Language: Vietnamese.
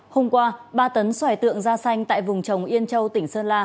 hôm qua ba tấn xoài tượng da xanh tại vùng trồng yên châu tỉnh sơn la